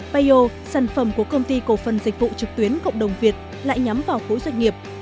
payo sản phẩm của công ty cổ phần dịch vụ trực tuyến cộng đồng việt lại nhắm vào khối doanh nghiệp